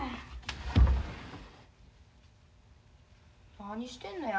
何してんのや？